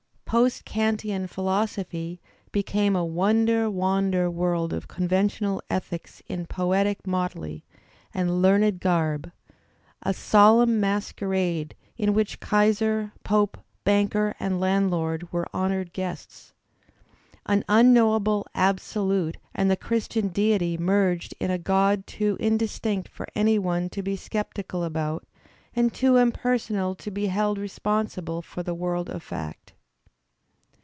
Post Kantian philosophy became a wonder wander world of conventional ethics in poetic motley and learned garb, a solenm masquerade in which kaiser, pope, banker, and landlord were honoured guests. An unknowable Absolute and the Christian deity merged in a god too indis tinct for any one to be sceptical about and too impersonal to be held responsible for the world of fact.